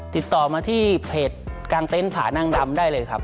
ติดต่อมาที่เพจกลางเต็นต์ผานั่งดำได้เลยครับ